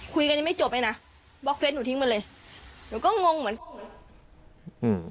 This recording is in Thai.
คุยกันยังไม่จบเลยนะบล็อกเฟสหนูทิ้งมาเลยหนูก็งงเหมือนอืม